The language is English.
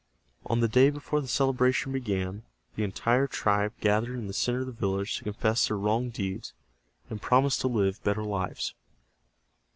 On the day before the celebration began, the entire tribe gathered in the center of the village to confess their wrong deeds, and promise to live better lives.